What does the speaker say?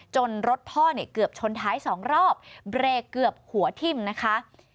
รถพ่อเนี่ยเกือบชนท้ายสองรอบเบรกเกือบหัวทิ่มนะคะ